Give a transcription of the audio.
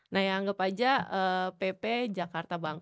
nah yang anggap aja pp jakarta banking